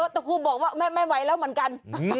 แต่ครูบอกว่าแม่ไม่ไหวแล้วเหมือนกัน